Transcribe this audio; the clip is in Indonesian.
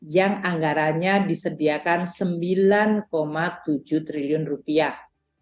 yang anggarannya disediakan sembilan tujuh triliun rupiah